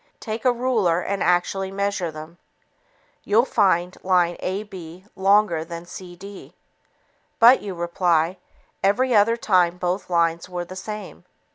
Take a ruler and actually measure them. You'll find line AB longer than CD. "But," you reply, "every other time both lines were the same."